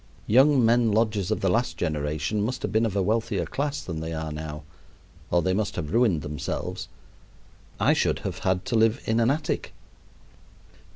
Young men lodgers of the last generation must have been of a wealthier class than they are now, or they must have ruined themselves. I should have had to live in an attic.